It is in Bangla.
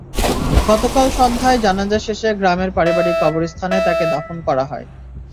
গতকাল সন্ধ্যায় জানাজা শেষে গ্রামের পারিবারিক কবরস্থানে তাঁকে দাফন করা হয়।